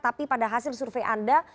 tapi pada hasil survei anda